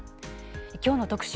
きょうの特集